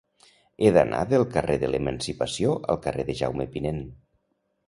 He d'anar del carrer de l'Emancipació al carrer de Jaume Pinent.